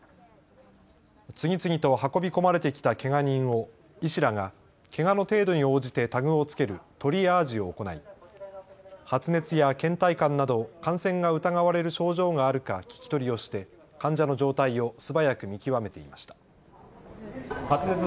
次々と運び込まれて来たけが人を医師らがけがの程度に応じてタグを付けるトリアージを行い発熱やけん怠感など感染が疑われる症状があるか聞き取りをして、患者の状態を素早く見極めていました。